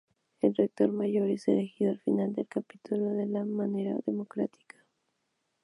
El Rector Mayor es elegido al final del Capítulo de manera democrática.